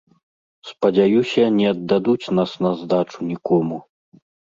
Спадзяюся, не аддадуць нас на здачу нікому.